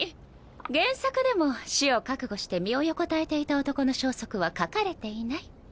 原作でも死を覚悟して身を横たえていた男の消息は書かれていない。